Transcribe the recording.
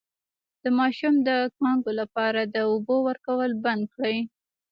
د ماشوم د کانګو لپاره د اوبو ورکول بند کړئ